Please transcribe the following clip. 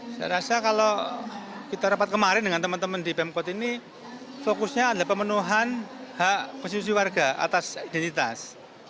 saya rasa kalau kita rapat kemarin dengan teman teman di pemkot ini fokusnya adalah pemenuhan hak konstitusi warga atas identitas